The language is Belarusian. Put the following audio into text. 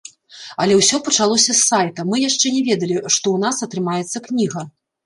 Але ўсё пачалося з сайта, мы яшчэ не ведалі, што ў нас атрымаецца кніга.